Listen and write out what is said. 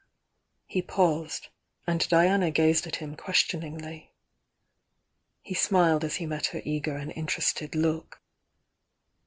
He paused, — and Diana gazed at him question ingly. He smiled as he met her eager and inter ested look.